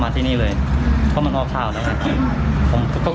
มาที่นี่เลยเพราะว่ามันออฟทาวน์แล้วนะครับ